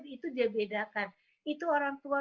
itu dia bedakan itu orang tua